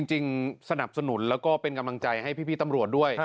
สนับสนุนแล้วก็เป็นกำลังใจให้พี่ตำรวจด้วย